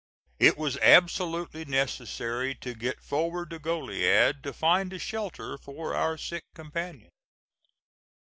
It was absolutely necessary to get for ward to Goliad to find a shelter for our sick companion.